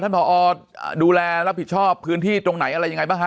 ผอดูแลรับผิดชอบพื้นที่ตรงไหนอะไรยังไงบ้างฮะ